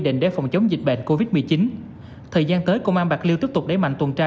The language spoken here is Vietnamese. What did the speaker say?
định để phòng chống dịch bệnh covid một mươi chín thời gian tới công an bạc liêu tiếp tục đẩy mạnh tuần tra